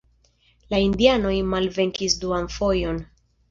La indianoj malvenkis duan fojon.